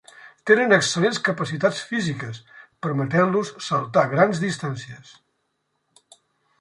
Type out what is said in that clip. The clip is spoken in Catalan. Tenen excel·lents capacitats físiques, permetent-los saltar grans distàncies.